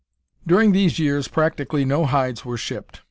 During these years practically no hides were shipped.